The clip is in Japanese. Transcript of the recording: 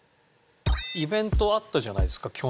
イベントあったじゃないですか去年ね。